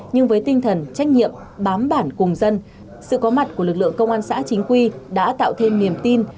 nhưng với tinh thần trách nhiệm bám bản cùng dân sự có mặt của lực lượng công an xã chính quy đã tạo thêm niềm tin